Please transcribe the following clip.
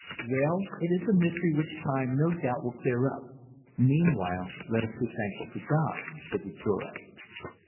"Well, it is a mystery which time no doubt will clear up. Meanwhile, let us be thankful to God," said the Cure.